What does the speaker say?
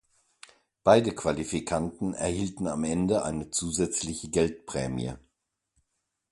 Beide Qualifikanten erhalten am Ende eine zusätzliche Geldprämie.